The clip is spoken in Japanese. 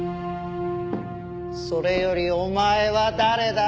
それよりお前は誰だ？